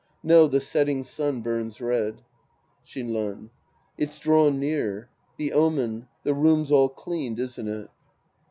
No, the setting sun burns red. Shinran. It's drawn near. The omen, — the room's all cleaned, isn't it